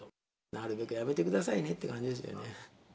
なるべくやめてくださいねって感じですよね。